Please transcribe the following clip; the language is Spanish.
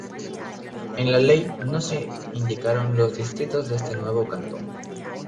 En la ley no se indicaron los distritos de este nuevo cantón.